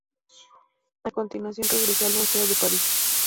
A continuación regresó al Museo de París.